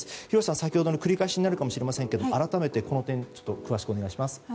廣瀬さん、先ほどの繰り返しになるかもしれませんけれども改めて、この点詳しくお願いします。